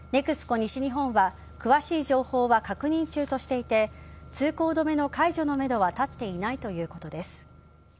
西日本は詳しい情報は確認中としていて通行止めの解除のめどは立っていないということです。